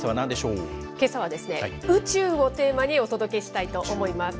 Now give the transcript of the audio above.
けさは宇宙をテーマにお届けしたいと思います。